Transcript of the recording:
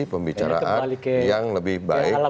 pembicaraan yang lebih baik